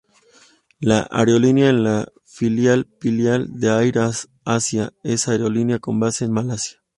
La aerolínea es la filial filipina de AirAsia, una aerolínea con base en Malasia.